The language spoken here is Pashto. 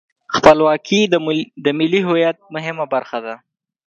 خپلواکي د ملي هویت مهمه برخه ده.